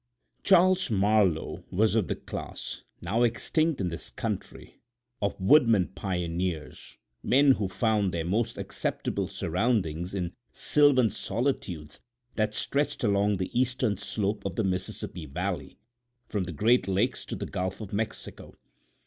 Charles Marlowe was of the class, now extinct in this country, of woodmen pioneers—men who found their most acceptable surroundings in sylvan solitudes that stretched along the eastern slope of the Mississippi Valley, from the Great Lakes to the Gulf of Mexico.